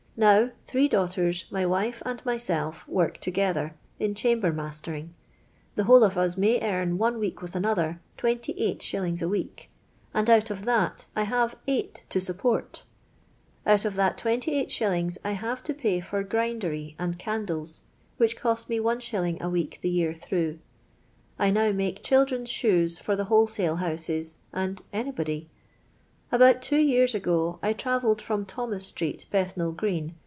Now, three daughters, my wife, and myself work together, in chamber mastering ; the whole of us may earn, one week with another, 28i. a week, and out of that I have eight to support Out of that 28i. I have to pay for grindery and candles, which cost me It. a week the year through. I now make children's shoes for the wholesale houses and anybody. About two years ago I travelled from Thomas street, Bethnal green